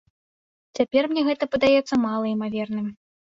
Цяпер мне гэта падаецца малаімаверным.